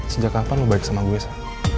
sejak kapan lo baik sama gue esa